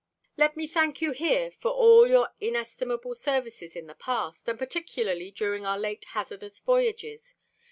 "Let me thank you here for all your inestimable services in the past, and particularly during our late hazardous voyages.